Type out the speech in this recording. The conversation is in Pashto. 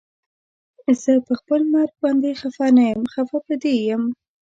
زه پخپل مرګ باندې خفه نه یم خفه په دې یم